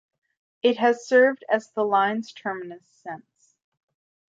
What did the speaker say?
It has served as the line's terminus since.